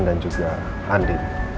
dan juga andin